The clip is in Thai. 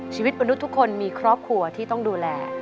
ชีวิตมนุษย์ทุกคนมีครอบครัวที่ต้องดูแล